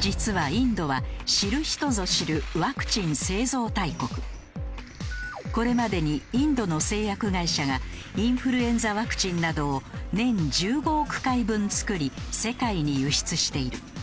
実はインドは知る人ぞ知るこれまでにインドの製薬会社がインフルエンザワクチンなどを年１５億回分作り世界に輸出している。